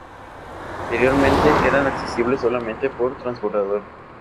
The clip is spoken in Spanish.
Anteriormente eran accesibles solamente por transbordador.